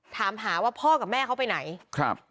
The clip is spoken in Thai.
ถามหาว่าพ่อกับแม่เขาไปไหนครับ